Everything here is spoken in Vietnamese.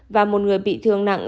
và một người bị thương nặng